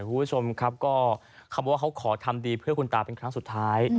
คุณผู้ชมครับก็คำว่าเขาขอทำดีเพื่อคุณตาเป็นครั้งสุดท้าย